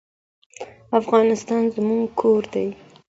افغانستان زموږ کور دی.